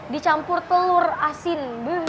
dicampur telur asin